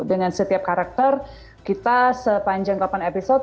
dengan setiap karakter kita sepanjang papan episode